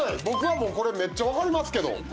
僕はもうこれめっちゃわかりますけど。